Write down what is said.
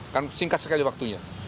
kan singkat sekali waktunya